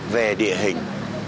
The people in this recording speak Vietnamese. về địa hình